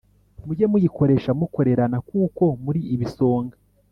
mujye muyikoresha mukorerana, kuko muri ibisonga